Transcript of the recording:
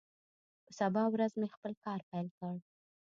په سبا ورځ مې خپل کار پیل کړ.